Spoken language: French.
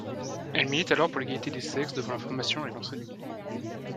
Elle milite alors pour l'égalité des sexes devant la formation et l'enseignement.